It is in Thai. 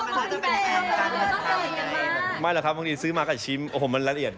ใช่หรือครับบางทีซื้อมากดีมันไล่เหียด